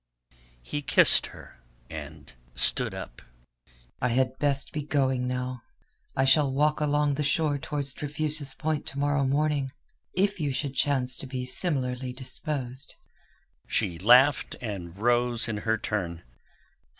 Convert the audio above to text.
He kissed her, and stood up. "I had best be going now," he said. "I shall walk along the shore towards Trefusis Point to morrow morning. If you should chance to be similarly disposed...." She laughed, and rose in her turn.